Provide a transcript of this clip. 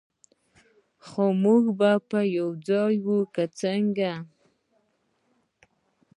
خو موږ به یو ځای یو، که څنګه؟